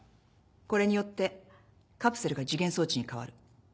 これによってカプセルが時限装置に変わる。